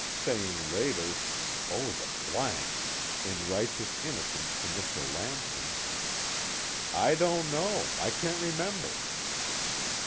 _ Saying later (O the Blank!) in righteous innocence to Mr. Lamson: "I don't know, I can't remember."